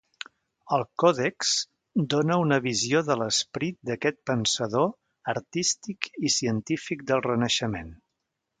El còdex dóna una visió de l'esperit d'aquest pensador, artístic i científic del Renaixement.